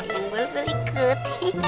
sayang bu berikut